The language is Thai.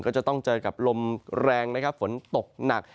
ก็จะต้องเจอกับลมแรงฝนตกหนัก